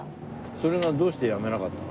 それがどうしてやめなかったの？